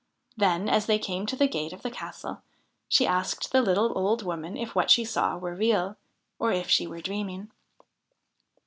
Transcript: Then, as they came to the gate of the castle, she asked the little old woman if what she saw were real, or if she were dreaming